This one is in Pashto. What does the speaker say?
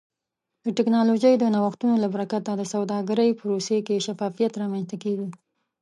د ټکنالوژۍ د نوښتونو له برکته د سوداګرۍ پروسې کې شفافیت رامنځته کیږي.